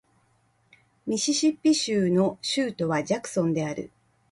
ミシシッピ州の州都はジャクソンである